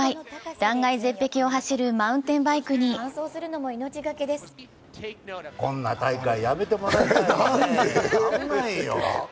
断崖絶壁を走るマウンテンバイクにこんな大会、やめてもらいたいね、危ないよ。